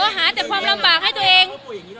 หาแต่ความลำบากให้ตัวเอง